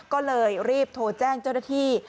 ก็เลยรีบโทรแจ้งเจ้าหน้าที่